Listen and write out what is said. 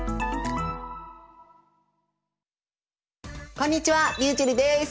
こんにちはりゅうちぇるです。